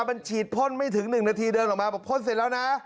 มันฉีดพ่นไม่ถึง๑นาทีเดินออกมาบอกพ่นเสร็จแล้วนะ